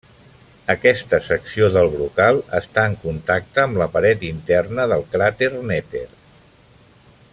Aquesta secció del brocal està en contacte amb la paret interna del cràter Neper.